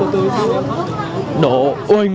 tầng đâu anh